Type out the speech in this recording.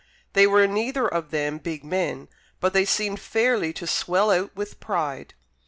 They were neither of them big men, but they seemed fairly to swell out with pride.